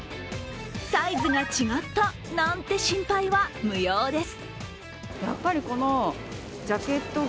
サイズが違った、なんて心配は無用です。